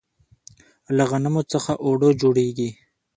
له غنمو څخه اوړه جوړیږي.